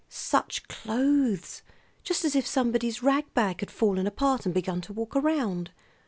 Such clothes! Just as if somebody's rag bag had fallen apart and begun to walk around.